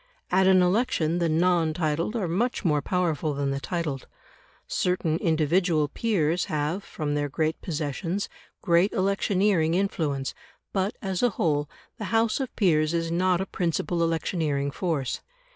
At an election the non titled are much more powerful than the titled. Certain individual peers have, from their great possessions, great electioneering influence, but, as a whole, the House of Peers is not a principal electioneering force.